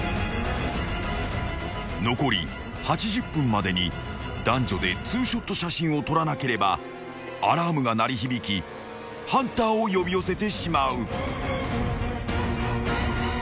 ［残り８０分までに男女でツーショット写真を撮らなければアラームが鳴り響きハンターを呼び寄せてしまう］